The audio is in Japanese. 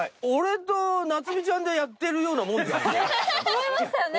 思いましたよね？